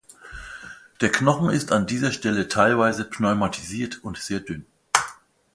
Der Knochen ist an dieser Stelle teilweise pneumatisiert und sehr dünn.